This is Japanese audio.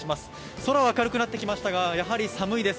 空は明るくなってきましたが、やはり寒いです。